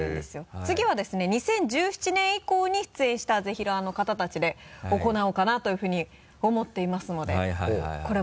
次はですね２０１７年以降に出演したぜひらーの方たちで行おうかなというふうに思っていますので。